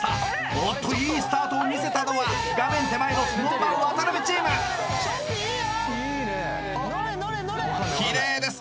おっといいスタートを見せたのは画面手前のＳｎｏｗＭａｎ渡辺チームキレイです